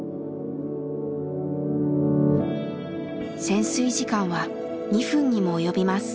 潜水時間は２分にも及びます。